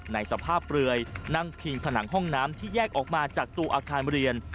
ในสภาพเปลือยนั่งพิงผนังห้องน้ำที่แยกออกมาจากตัวอาคารเรียน